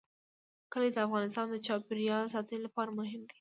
کلي د افغانستان د چاپیریال ساتنې لپاره مهم دي.